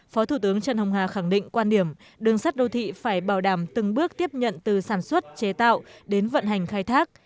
phó thủ tướng trần hồng hà khẳng định quan điểm đường sắt đô thị phải bảo đảm từng bước tiếp nhận từ sản xuất chế tạo đến vận hành khai thác